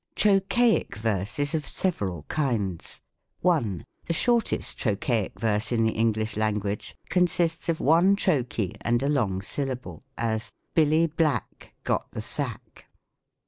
Trochaic verse is of several kinds. 1. The shortest Trochaic verse in the English Ian Iguage consists of one Trochee and a long syllable : as, "Billy Black Got the sack."